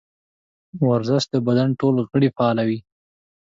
ورزش د بدن ټول غړي فعالوي.